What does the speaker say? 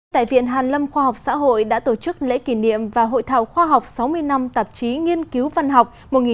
tại viện hàn lâm khoa học xã hội đã tổ chức lễ kỷ niệm và hội thảo khoa học sáu mươi năm tạp chí nghiên cứu văn học một nghìn chín trăm sáu mươi hai nghìn hai mươi